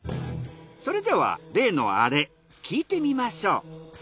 それでは例のアレ聞いてみましょう。